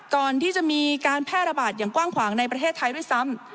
ก่อนที่จะมีการแพร่ระบาดอย่างกว้างขวางในประเทศไทยด้วยซ้ำ